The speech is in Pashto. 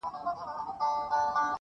زه ولاړ یم پر ساحل باندي زنګېږم-